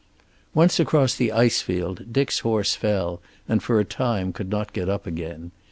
Once across the ice field Dick's horse fell and for a time could not get up again.